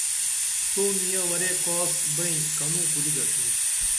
تو نِیہ ورے کاس بئیں کنوں کُری دڇھم